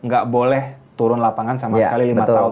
gak boleh turun lapangan sama sekali lima tahun